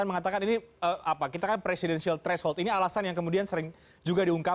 nanti kita ke substansi berikutnya di segmen berikutnya